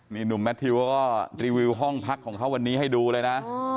นี่หนุ่มแมททิวก็รีวิวห้องพักของเขาวันนี้ให้ดูเลยนะ